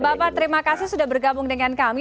bapak terima kasih sudah bergabung dengan kami